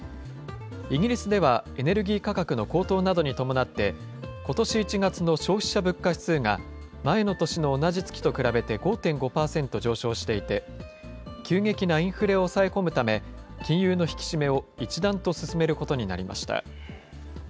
イギリスでは、エネルギー価格の高騰などに伴って、ことし１月の消費者物価指数が、前の年の同じ月と比べて５．５％上昇していて、急激なインフレを抑え込むため、金融の引き締めを一段と進めることになりました。